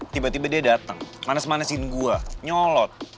tiba tiba dia datang manes manesin gue nyolot